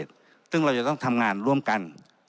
ซึ่งเราจะต้องทำงานร่วมกัน